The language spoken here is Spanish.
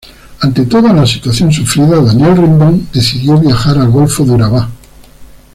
Ante toda la situación sufrida, Daniel Rendón decidió viajar al golfo de Urabá.